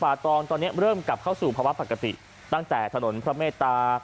ตองตอนนี้เริ่มกลับเข้าสู่ภาวะปกติตั้งแต่ถนนพระเมตตา